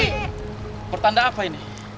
iya betul ki